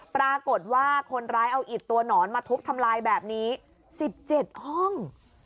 ปรากฏว่าคนร้ายเอาอิดตัวหนอนมาทุบทำลายแบบนี้๑๗ห้อง